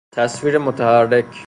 تصویر متحرک